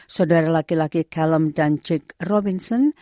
saudara laki laki callum dan jake robinson